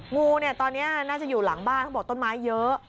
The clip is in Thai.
งูเนี่ยตอนนี้น่าจะอยู่หลังบ้านเขาบอกต้นไม้เยอะ